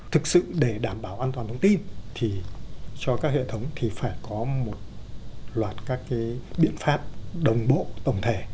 thực sự để đảm bảo an toàn thông tin thì cho các hệ thống thì phải có một loạt các cái biện pháp đồng bộ tổng thể